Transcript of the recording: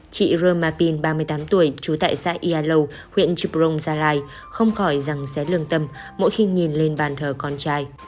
chị romapin ba mươi tám tuổi trú tại xã yalow huyện chiburong gia lai không khỏi rằng sẽ lương tâm mỗi khi nhìn lên bàn thờ con trai